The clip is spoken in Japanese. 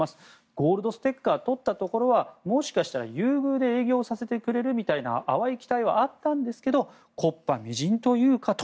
ゴールドステッカー取ったところはもしかしたら優遇で営業させてくれるみたいな淡い期待はあったんですけど木っ端みじんというかと。